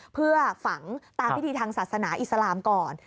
เพื่อฝังตามพิธีทางศาสนาอิสลามก่อน